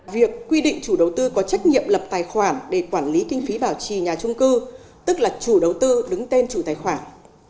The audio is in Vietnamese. việc quy định chủ đầu tư có trách nhiệm lập tài khoản để quản lý kinh phí bảo trì nhà trung cư tức là chủ đầu tư đứng tên chủ tài khoản